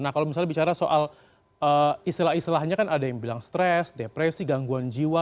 nah kalau misalnya bicara soal istilah istilahnya kan ada yang bilang stres depresi gangguan jiwa